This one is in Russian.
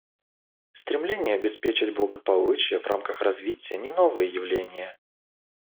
Стремление обеспечить благополучие в рамках развития — не новое явление.